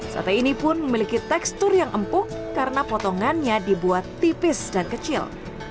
sate ini pun memiliki tekstur yang empuk karena potongannya dibuat tipis dan kecil